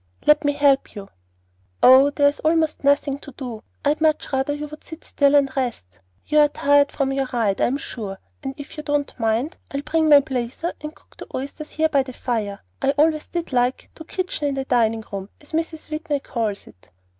"Let me help you." "Oh, there is almost nothing to do. I'd much rather you would sit still and rest. You are tired from your ride, I'm sure; and if you don't mind, I'll bring my blazer and cook the oysters here by the fire. I always did like to 'kitch in the dining room,' as Mrs. Whitney calls it."